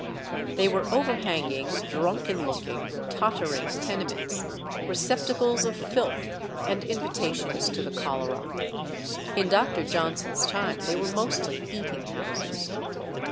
They were overhanging, drunken looking, tottering tenements, receptacles of filth, and invitations to the cholera. In Dr. Johnson's time they were mostly eating houses.